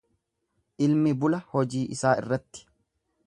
Ilmi bula hojii isaa irratti.